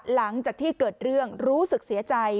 หลังจากที่เกิดเรื่องรู้สึกเสียใจ